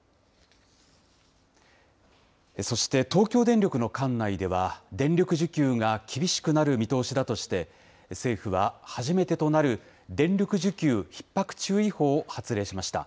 そして東京電力の管内では、電力需給が厳しくなる見通しだとして、政府は、初めてとなる電力需給ひっ迫注意報を発令しました。